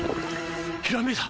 ひらめいた！